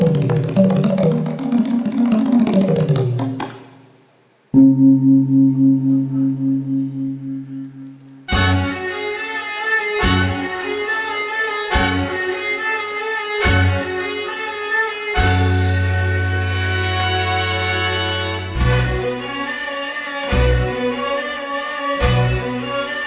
มูลค่าสามพันบาทนี่ล่ะครับเอ้ยเอ้ยเอ้ยเอ้ยเอ้ยเอ้ย